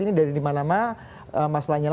ini dari dimanama masalahnya